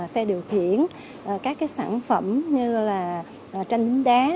xe điều khiển các sản phẩm như là tranh bính đá